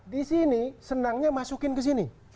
disini senangnya masukin kesini